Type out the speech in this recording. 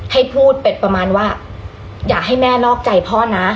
ให้พูดเป็นประมาณว่าอย่าให้แม่นอกใจพ่อนะ